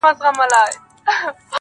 كړۍ ،كـړۍ لكه ځنځير ويـده دی,